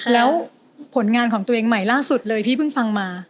แล้วผลงานของตัวเองใหม่ล่าสุดเลยพี่เพิ่งฟังมา